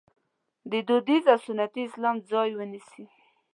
د دودیز او سنتي اسلام ځای ونیسي.